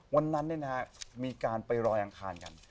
วันนั้นเนี่ยนะฮะมีการไปรอยอังคารกัน